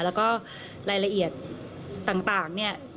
แล้วก็รายละเอียดต่างเนี่ย